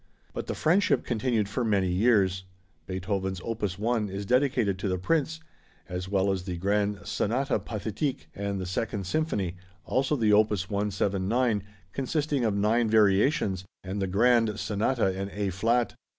But the friendship continued for many years. Beethoven's opus 1 is dedicated to the Prince, as well as the grand Sonata Pathetique, and the Second Symphony, also the opus 179, consisting of nine variations, and the grand Sonata in A Flat.